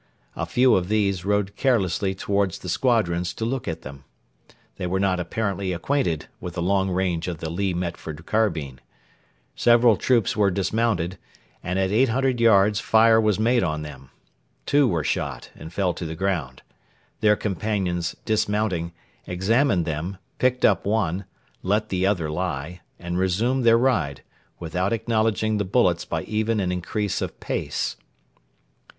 A few of these rode carelessly towards the squadrons to look at them. They were not apparently acquainted with the long range of the Lee Metford carbine. Several troops were dismounted, and at 800 yards fire was made on them. Two were shot and fell to the ground. Their companions, dismounting, examined them, picked up one, let the other lie, and resumed their ride, without acknowledging the bullets by even an increase of pace.